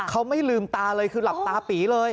เขาไม่ลืมตาเลยคือหลับตาปีเลย